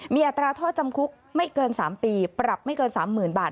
มีอัตราโทษจำคุกไม่เกิน๓ปีปรับไม่เกิน๓๐๐๐บาท